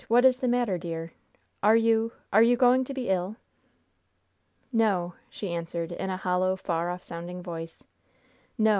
what is the matter, dear? Are you are you going to be ill?" "No!" she answered, in a hollow, far off sounding voice. "No!